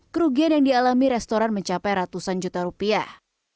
kerugian yang dialami restoran mencapai ratusan juta rupiah